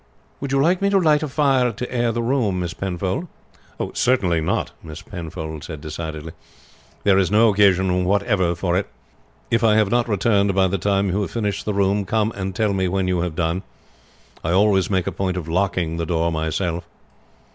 "Would you like me to light a fire to air the room, Miss Penfold?" "Certainly not," Miss Penfold said decidedly, "there is no occasion whatever for it. If I have not returned by the time you have finished the room, come and tell me when you have done. I always make a point of locking the door myself."